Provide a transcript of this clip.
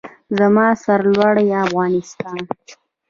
زما سرلوړی افغانستان.